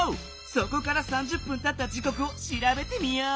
そこから３０分たった時こくをしらべてみよう。